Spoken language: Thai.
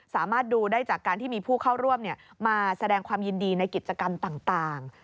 สามารถดูได้จากการที่มีผู้เข้าร่วมมาแสดงความยินดีในกิจกรรมต่าง